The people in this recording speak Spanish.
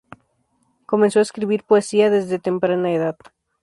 Comenzó a escribir poesía desde temprana edad.